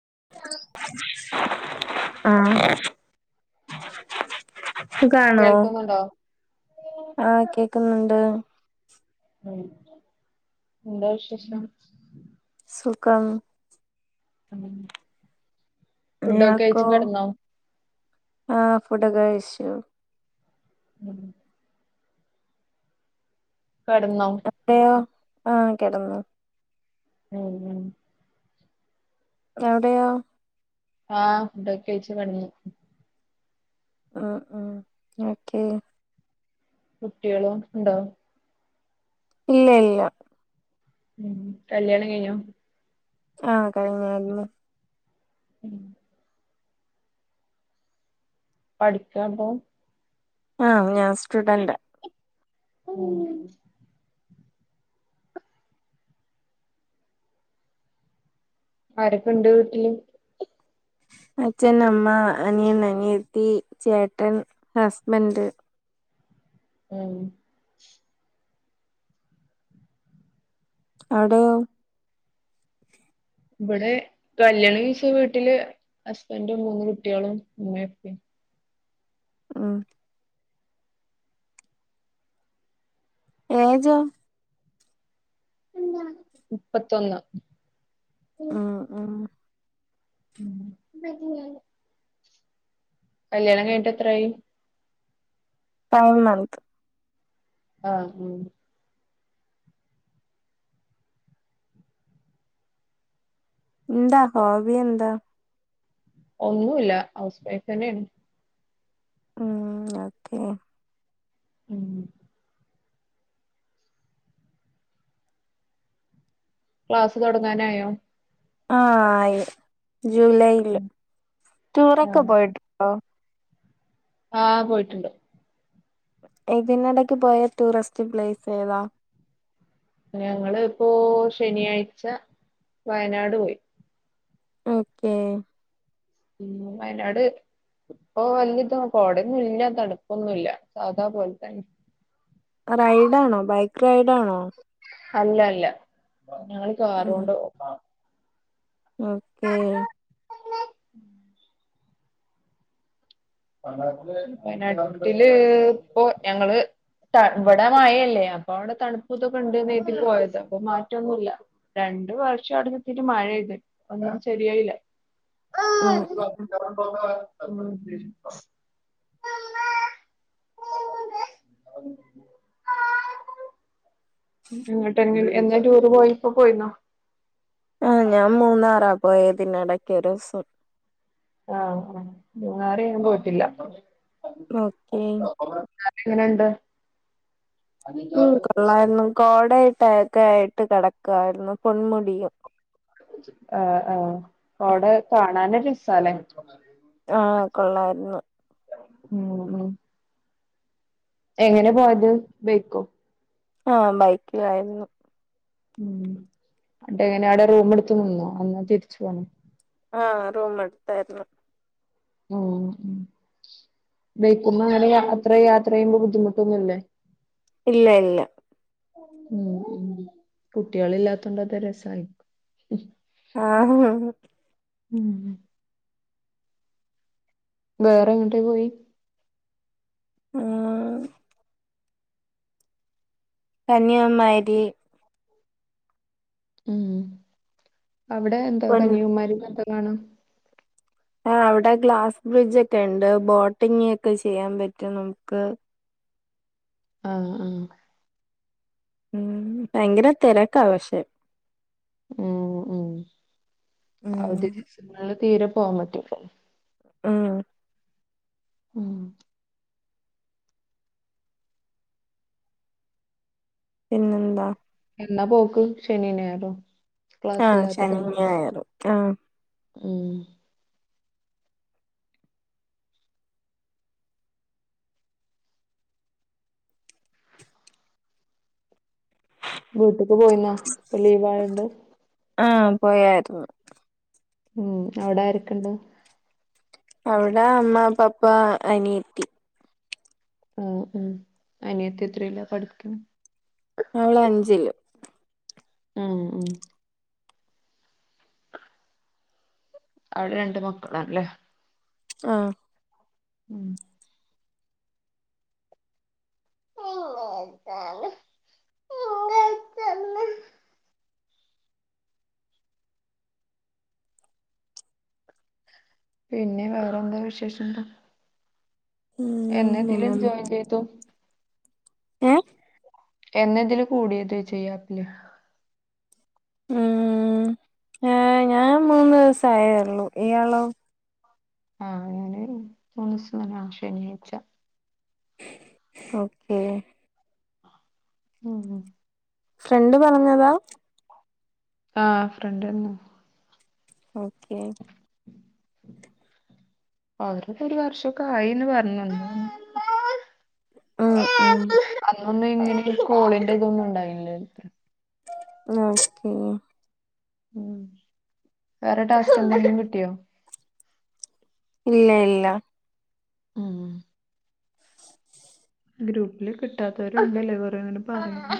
ആഹ സുഖമാണോ കേൾക്കുന്നുണ്ടോ ആഹ കേൾ ക്കുന്നുണ്ട് ഉ എന്താ വിശേഷം സുഖം ഫുഡൊക്കെ കഴിച്ചു കിടന്നോ ആഹ ഫുഡൊക്കെ കഴിച്ചു ഉം കെടന്നോ അവിടെയോ ആഹ കിടന്നു ഉം ഉ അ വിടെയോ ആഹ് ഫുഡ്‌ ഒക്കെ കഴിച്ചു കയിഞ്ഞ് ഉ ഉ ഓക്കേ കുട്ടികളും ഉണ്ടോ ഇല്ല ഇല്ല ഉം കല്യാണം കഴിഞ്ഞോ ആഹ കഴിഞ്ഞരുന്നു ഉം പഠിക്കാപോ ആഹ ഞാൻ സ്റ്റുഡന്റ് ഉം ആരൊക്കെ ഇണ്ട് വീട്ടിലും അച്ഛൻ അമ്മ അനിയൻ അനിയത്തി ചേട്ടൻ ഹസ്ബൻഡ ഉഹ അവിടെ ഓ ഇവിടെ കല്യാണ വിീസ് വീട്ടില് ഹസ്ബൻറും മൂന്ന് കുട്ടികളും മൂ എപ്പയും ആഹ ഏജോ മുപ്പത്തൊന്ന് ആ ആ വലിയ കല്യാണം കഴിഞ്ഞിട്ട് എത്രായി ഫൈവ് മന്ത് ആ ഉ എന്താ ഹോബി എന്താ ഒന്നുമില്ല ഹൗസ് വൈഫ് തന്നെയാണ് ഉം ഓക്കെ ഉം ക്ലാസ് തുടങ്ങാനായോ ആ ആയി ജൂലൈയിൽ ആഹ് ടൂറൊക്കെ പോയിട്ടുണ്ടോ ആ പോയിട്ടുണ്ട് ഇതിനിടക്ക് പോയ ടൂറിസ്റ്റ് പ്ലേസ് ഏതാ ഞങ്ങൾ ഇപ്പോ ശനിയാഴ്ച വയനാട് പോയി ഓക്കേ ഉം വയനാട് ഇപ്പൊ വലതും കൊടന്നും ഇല്ല തണുപ്പൊന്നും ഇല്ല സാദാ പോലെ തന്നെ റൈഡാണോ ബൈക്ക് റൈഡാണോ അല്ല അല്ല ഞങ്ങക്ക് കാറു ഉം കൊണ്ട് ഓക്കേ ഉം വയനാട്ടില് ഇപ്പൊ ഞങ്ങള് ഇവിടെ മഴയല്ലേ അപ്പൊ അവിടെ തണുപ്പൂത്തൊ ഉണ്ട് നീട്ടി പോയത് അപ്പൊ മാറ്റമൊന്നുമല്ല രണ്ട് രണ്ടു വർഷം അടുത്തിട്ട് മഴ പെയ്തിട്ടും ഒന്നും ശരിയായില്ല ഉം [unintelligible] [inaudible] [unintelligible] എന്നങ്ങട്ട എന്നാ ടൂറ് പോയിപ്പോ പോയിന്നോ ആ ഞാൻ മൂന്നാറാ പോയതിനിടക്ക് ഒരു ദിവസം ആഹ വയനാട് ഞാൻ പോയിട്ടില്ല ഓക്കേ അങ്ങനെണ്ട് ഉം കൊള്ളായിരുന്നു കോടായിട്ട് ഒക്കെ ആയിട്ട് കിടക്കായിരുന്നു പൊൺമുടിയും ആ ആ അവിടെ കാണാനൊരു സ്ഥലം ആഹ കൊള്ളായിരുന്നു ഉം ഉ എങ്ങനെ പോയത് ബൈക്കോ ആ ബൈക്കിലായിരുന്നു എങ്ങനെ അവിടെ റൂം എടുത്ത്നിന്നോ അന്ന് തിരിച്ചു പോന്നോ ആ റൂം എടുത്തായിരുന്നു ഓ ബൈക്ക്‌മ്മേ വരെ യാത്ര യാത്ര ചെയ്യുമ്പോ ബുദ്ധിമുട്ടൊന്നും ഇല്ലേ ഇല്ല ഇല്ല ഉം കുട്ട്യാള് ഇല്ലാത്തോണ്ട് അത് രസായിരിക്കും ആ ഉം വേറെ എങ്ങട്ടേ പോയി ആ കന്യാമാരി ഉം അവിടെ എന്താ പൊൻ കന്യാകുമാരില് എന്താ കാണാം ആ അവിടെ ഗ്ലാസ് ബ്രിഡ്ജ് ഒക്കെ ഇണ്ട് ബോട്ടിംഗ് ഒക്കെ ചെയ്യാൻ പറ്റും നമുക്ക് ആ ആ ഉം ഭയങ്കര തെരക്കാ പക്ഷേ ഉം ഉം [unintelligible] ഉം ഉം ഉം പിന്നെന്താ എന്നാ പോക്ക് ശനിം ഞായറോ ആ ശനിം ഞായറും ആ മ് വീട്ട്ക്ക് പോയിന്നാ ഇപ്പൊ ലീവ് ആയോണ്ട് ആ പോയായിരുന്നു ഉം അവ്ടെ ആരോക്കെ ഇണ്ട് അവ്ടെ അമ്മ പപ്പ അനിയത്തി ഓ ഉം അനിയത്തി എത്ര ലാ പഠിക്ണ് അവള് അഞ്ചില് ഹേ ഹേ അവിടെ രണ്ട് മക്കളാണ്ലേ ആ ഉം ഉഴച്ചാണ് ഉഴന്ന പിന്നെ വേറെ എന്താ വിശേഷം എന്താ ഉം എന്നെ തിലും ജോയിൻ ചെയ്തു ഏ എന്നതില് കൂടിയത് ചെയ്യാപ്പ്‌ല് ഉം ഏ ഞാൻ മൂന്ന് ദിവസായെ ഒള്ളു ഇയാളോ ആ ഞാന് മൂന്ന് ദിവസം തന്നെ ശനിഴായ്ച്ച ഓക്കെ ഹ് ഹ് ഫ്രണ്ട് പറഞ്ഞതാ ആ ഫ്രണ്ട് പർഞ്ഞ ഓക്കേ ഉ ഉം അവര് ഒരു വർഷൊക്കെ ആയിന്ന് പറഞ്ഞു ആ ആ ഒന്നും ഇങ്ങനെ കോളിന്റെ ഇതൊന്നും ഉണ്ടായില്ലേ [unintelligible] ഉം വേറെ ാവസ് എും കിട്ടിയോ ഇല്ല ഇല്ല അ ആ ഗ്രൂപ്പില് കിട്ടാത്തവരുണ്ട്ല്ലോ കുറേ അങ്ങനെ പറയുന്ന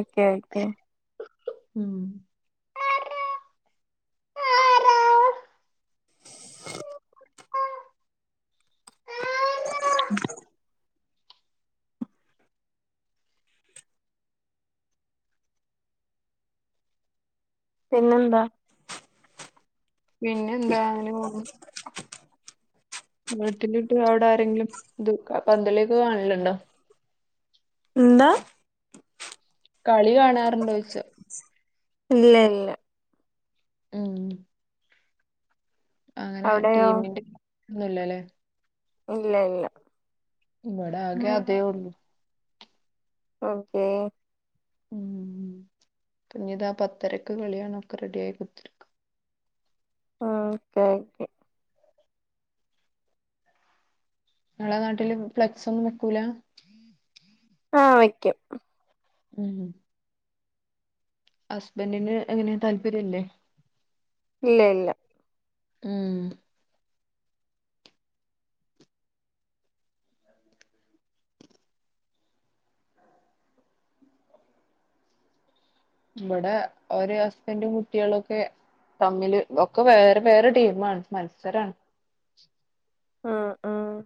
ഒക്കെ ഒക്കെ ഉം [unintelligible] പിന്നെന്താ പിന്നെ എന്താ അങ്ങനെ പോന്നു വീട്ടിലിട്ട് അവിടെ ആരെങ്കിലും ഇത് പന്തലേക്ക് കാണലുണ്ടോ എന്താ കളി കാണാറുണ്ടോ ചോയിച്ചാ ഇല്ല ഇല്ല ഉം അങ്ങനെ അവിടെയോ ടീമിന്റെ ഒന്നുംല്ലാല്ലേ ഇല്ല ഇല്ല ഇബടെ ആകെ അതെ ഒള്ളൂ ഓക്കെ ഉം പിന്നിതാ പത്തരയ്ക്ക് കളി കാണാ ഒക്കെ റെഡി ആയി കുത്തിരിക്കും ആഹ് ഓക്കെ ഓക്കെ ഇങ്ങളെ നാട്ടില് ഫ്ലക്സ് ഒന്നും വെക്കൂല ആഹ് വയ്ക്കും ഉം ഹസ്ബൻഡിന് എങ്ങനെ താല്പര്യല്ലേ ഇല്ല ഇല്ല ഉം ബടെ ഓര് ഹസ്ബൻ്റും കുട്ടിളൊക്കെ തമ്മില് ഒക്കെ വേറെ വേറെ ടീമാണ് മത്സരാണ് ആഹ് ആഹ്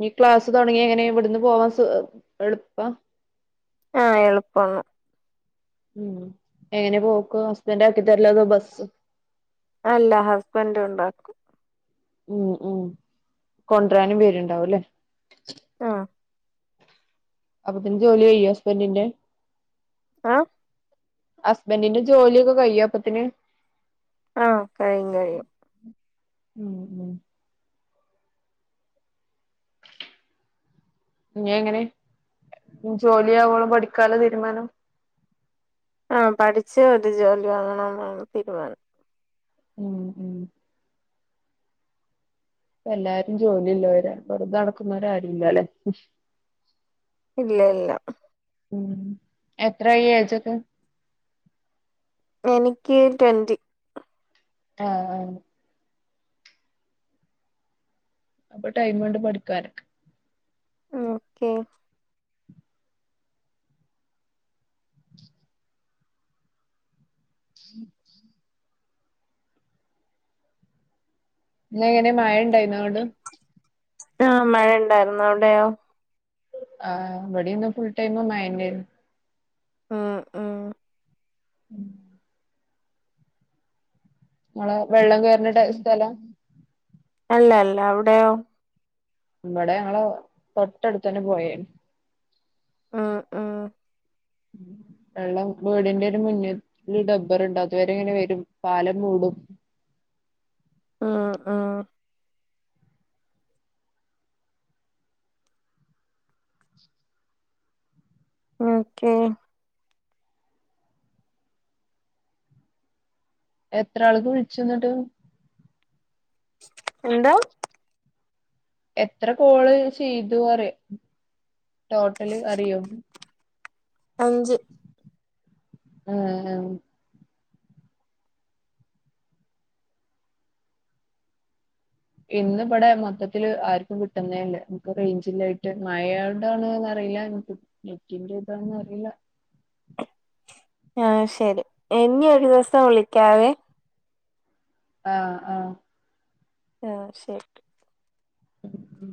ഞി ക്ലാസ് തൊടങ്ങിയ എങ്ങനെ ഇവിടുന്ന് പോവാൻ സു എ്എളുപ്പ ആഹ് എളുപ്പണാണ് ഉം എങ്ങനെ പോക്ക് ഹസ്ബൻ്റ് ആക്കി തരലോ അതോ ബസ് അല്ല ഹസ്ബൻഡ് കൊണ്ടാക്കും ഉം ഉം കൊണ്ടരാനും വെരുണ്ടാവുംല്ലേ ആഹ് അപ്പൊ പിന്നെ ജോലി കഴിയോ ഹസ്ബൻ്റിന്റെ ആ ഹസ്ബൻ്റിന്റെ ജോലിയൊക്കെ കയ്യോപ്പത്തിന് ആകഴിയും കഴിയും ഉം ഉം ഞ എങ്ങനെ ജോലിയാവോളം പഠിക്കാല തീരുമാനം ആഹ് പഠിച്ച് ഒരു ജോലി വാങ്ങണംന്നാണ് തീരുമാനം ഉം ഉം പ്പഎല്ലാരും ജോലി ഇല്ലോരാ വെറുതെ നടക്കുന്നവര് ആരുല്ലല്ലെ ഇല്ല ഇല്ല ഉം എത്രായി ഏജൊക്കെ എനിക്ക് ട്വന്റി ആഹ് ആഹ് അപ്പൊ ടൈമുണ്ട് പഠിക്കാനൊക്കെ ഓക്കെ ഇന്ന് എങ്ങനെ മഴ ഇണ്ടായിനോ അങ്ങട് ആഹ് മഴ ഇണ്ടായിരുന്നു അവിടെയോ ആഹ് ഇവിടിന്ന് ഫുൾ ടൈമ് മയ ന്നെയിരുന്നു ആഹ് ആഹ് ഉം ഇങ്ങളെ വെള്ളം കേറണ ടൈ സ്ഥലാ അല്ല അല്ല അവിടെയോ ഇബടെ ഞങ്ങള് തൊട്ടടുത്തന്നെ പൊയാണ് ആഹ് ആഹ് ഉം വെള്ളം വീടിന്റെ ഒരു മുന്നില് ഡബ്ബറുണ്ട് അതുവരെങ്ങനെ വരും പാലം മൂടും [inaudible] ആഹ് ആഹ് ഓക്കെ എത്ര ആൾക്ക് വിളിച്ചന്നിട്ട് എന്താ എത്ര കോള് ചെയ്തു അറിയ ടോട്ടല് അറിയോ അഞ്ച് ആഹ് ഇന്ന് ഇവിടെ മൊത്തത്തില്ൽ ആർക്കും കിട്ടുന്നേല്ലേ നമുക്ക് റേഞ്ചില്ലായിട്ട് മായ കൊണ്ടാണ് അറിയി നെറ്റിന്റെ ഇതാന്നും അറിയില്ല ആഹ് ശരി ഇനി ഒരു ഒരു ദിവസം വിളിക്കാവെ ആഹ് ആഹ് ആഹ് ശരി ഉ ഉ